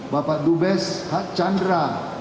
bapak dubes h chandra